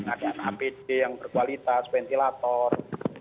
ada apd yang berkualitas ventilator